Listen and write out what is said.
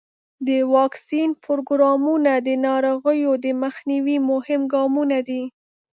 د واکسین پروګرامونه د ناروغیو د مخنیوي مهم ګامونه دي.